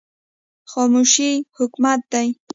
خاموشي حکمت دی